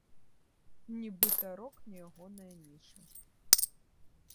Нібыта, рок не ягоная ніша.